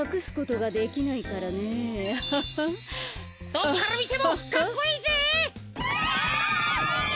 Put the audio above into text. どこからみてもかっこいいぜ。